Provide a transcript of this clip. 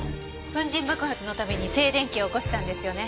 粉塵爆発のために静電気を起こしたんですよね？